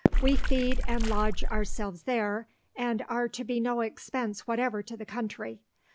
We feed and lodge ourselves there, and are to be no expense whatever to the country.